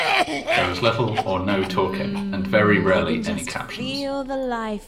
There is little or no talking, and very rarely any captions.